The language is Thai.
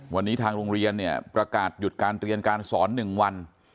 วันนี้ทางโรงเรียนเนี่ยประกาศหยุดการเรียนการสอน๑วัน